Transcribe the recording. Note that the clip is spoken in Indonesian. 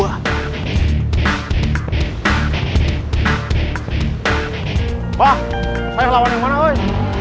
wah mau lawan yang mana woy